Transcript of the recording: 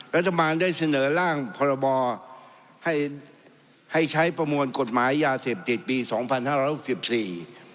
รัฐบาลได้เสนอร่างพรบให้ให้ใช้ประมวลกฎหมายยาเสพติดปีสองพันห้าร้อยหกสิบสี่